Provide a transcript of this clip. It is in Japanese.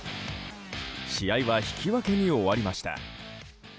試合は引き分けに終わりました。